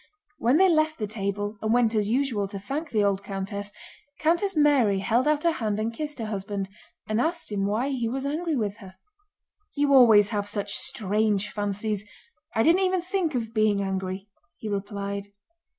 When they left the table and went as usual to thank the old countess, Countess Mary held out her hand and kissed her husband, and asked him why he was angry with her. "You always have such strange fancies! I didn't even think of being angry," he replied.